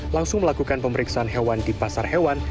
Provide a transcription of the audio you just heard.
langsung melakukan pemeriksaan hewan di pasar hewan